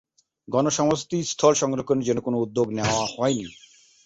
গণ সমাধিস্থল সংরক্ষণের জন্য কোন উদ্যোগ নেওয়া হয়নি।